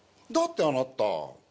だってあなた